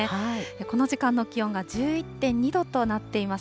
この時間の気温が１１．２度となっています。